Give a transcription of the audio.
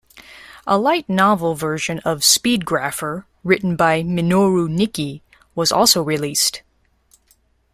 A light novel version of "Speed Grapher", written by Minoru Niki, was also released.